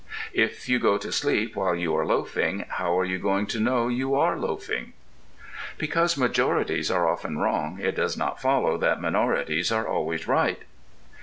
If you go to sleep while you are loafing, how are you going to know you are loafing? Because majorities are often wrong it does not follow that minorities are always right.